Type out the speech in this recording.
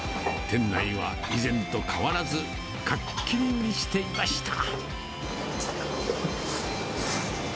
店内は以前と変わらず、活気に満ちていました。